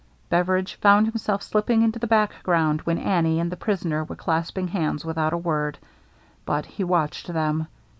Beveridge found himself slipping into the background when Annie and the prisoner were clasping hands without a word; but he watched them.